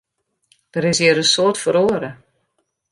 Der is hjir in soad feroare.